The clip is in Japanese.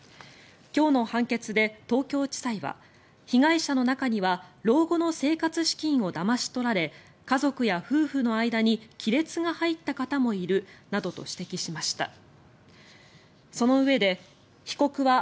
今日の判決で東京地裁は被害者の中には老後の生活資金をだまし取られ家族や夫婦の間に亀裂が入った方もいるなどと指摘しました。